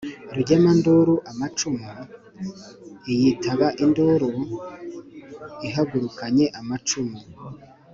rugemanduru amacumu: iyitaba induru ihagurukanye amacumu